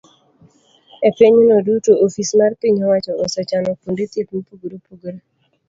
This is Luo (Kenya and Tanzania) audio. E pinyno duto, ofis mar piny owacho osechano kuonde thieth mopogore opogore